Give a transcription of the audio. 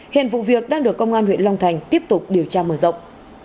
hiện vụ việc đang được công an huyện long thành tiếp tục điều tra mở rộng